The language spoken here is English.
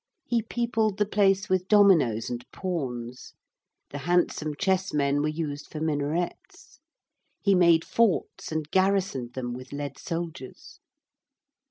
He peopled the place with dominoes and pawns. The handsome chessmen were used for minarets. He made forts and garrisoned them with lead soldiers.